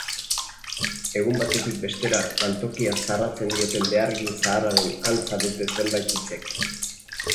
Egun batetik bestera lantokia zarratzen dioten behargin zaharraren antza dute zenbait hitzek.